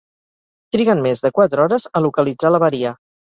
Triguen més de quatre hores a localitzar l'avaria.